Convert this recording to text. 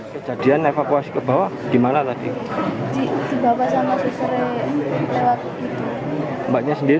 kejadian evakuasi ke bawah di mana tadi